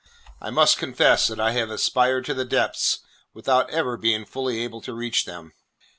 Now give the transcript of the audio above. I must confess that I have aspired to the depths without ever being fully able to reach them.